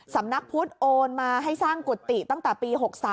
สำนักพุทธโอนมาให้สร้างกุฏิตั้งแต่ปี๖๓